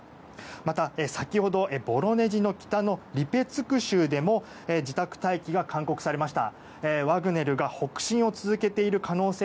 また、先ほどボロネジの北の州でも自宅待機が勧告されました。